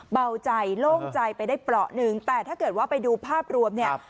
เบาใจโล่งใจไปได้เปราะหนึ่งแต่ถ้าเกิดว่าไปดูภาพรวมเนี่ย